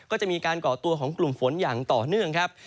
ก็จะมีการก่อตัวของกลุ่มฝนอย่างต่อเนื่องครับ